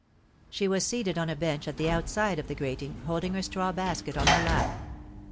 She was seated on a bench at the outside of the grating, holding her straw basket on her lap.